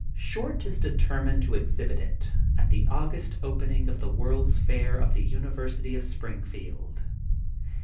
Short is determined to exhibit it at the August opening of The World's Fair of the Uni versity of Springfield.